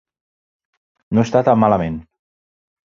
No està tan malament.